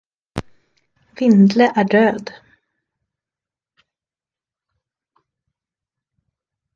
Vind-Ile är död!